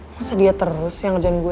masa dia terus yang ngerjain gue